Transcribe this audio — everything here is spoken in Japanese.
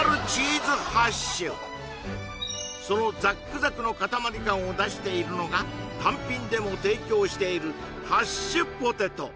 そのザックザクの塊感を出しているのが単品でも提供しているハッシュポテト